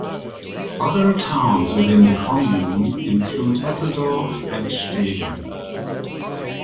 Other towns within the commune include Eppeldorf and Stegen.